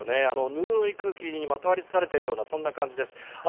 ぬるい空気にまとわりつかれている感じです。